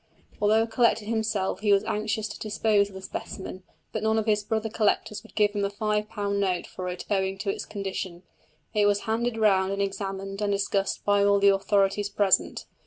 Although a collector himself he was anxious to dispose of the specimen, but none of his brother collectors would give him a five pound note for it owing to its condition. It was handed round and examined and discussed by all the authorities present.